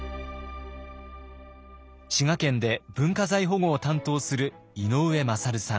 滋賀県で文化財保護を担当する井上優さん。